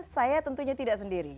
saya tentunya tidak sendiri